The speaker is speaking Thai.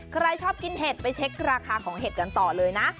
ใครชอบกินเห็ดไปเช็คราคาของเห็ดกันต่อเลยนะ